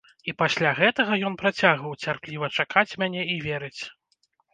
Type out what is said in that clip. І пасля гэтага ён працягваў цярпліва чакаць мяне і верыць.